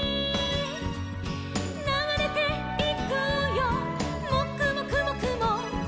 「ながれていくよもくもくもくも」